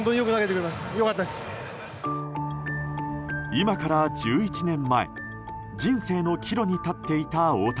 今から１１年前人生の岐路に立っていた大谷。